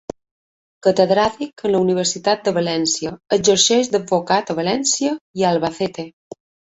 Catedràtic en la Universitat de València, exerceix d'advocat a València i a Albacete.